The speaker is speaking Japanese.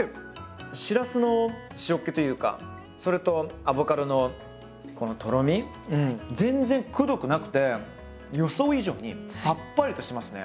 しらすの塩っけというかそれとアボカドのこのとろみうん全然くどくなくて予想以上にさっぱりとしてますね。